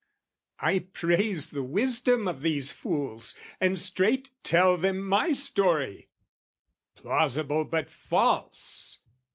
I praise the wisdom of these fools, and straight Tell them my story "plausible, but false!"